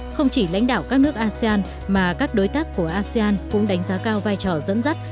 không chỉ lãnh đạo các nước asean mà các đối tác của asean cũng đánh giá cao vai trò dẫn dắt